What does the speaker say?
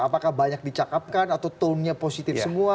apakah banyak dicakapkan atau tonenya positif semua